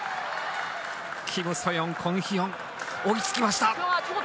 キム・ソヨン、コン・ヒヨン追いつきました。